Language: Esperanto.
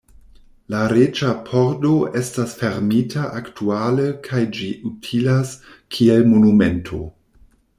La Reĝa Pordo estas fermita aktuale kaj ĝi utilas kiel monumento.